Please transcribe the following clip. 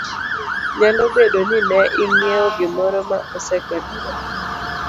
Nyalo bedo ni ne ing'iewo gimoro ma osekethore,